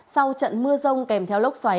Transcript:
sau trận mưa rông kèm theo lốc sông